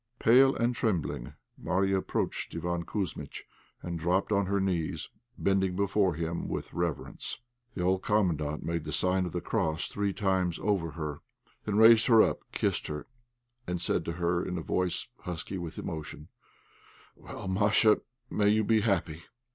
Pale and trembling, Marya approached Iván Kouzmitch and dropped on her knees, bending before him with reverence. The old Commandant made the sign of the cross three times over her, then raised her up, kissed her, and said to her, in a voice husky with emotion "Well, Masha, may you be happy.